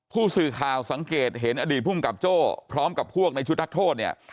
ผู้สื่อข่าวสังเกตเห็นอดีตภูมิกับโจ้พร้อมกับพวกในชุดนักโทษเนี่ย